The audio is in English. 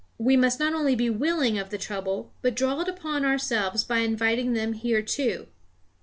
We must not only be willing of the trouble, but draw it upon ourselves by inviting them hereto.